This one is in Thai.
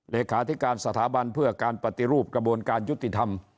เลขาธิการสถาบันเพื่อการปฏิรูปกระบวนการยุติธรรม